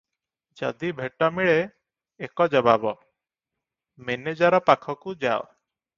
ଯଦି ଭେଟ ମିଳେ, ଏକ ଜବାବ, "ମେନେଜର ପାଖକୁ ଯାଅ ।"